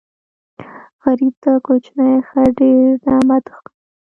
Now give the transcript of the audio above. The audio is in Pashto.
غریب ته کوچنی خیر ډېر نعمت ښکاري